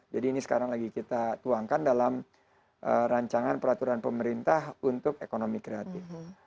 jadi ini sekarang lagi kita tuangkan dalam rancangan peraturan pemerintah untuk ekonomi kreatif